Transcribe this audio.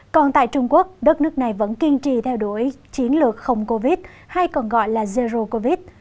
còn tại trung quốc đất nước này vẫn kiên trì theo đuổi chiến lược không covid hay còn gọi là zero covid